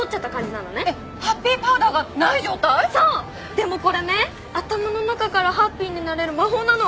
でもこれね頭の中からハッピーになれる魔法なの。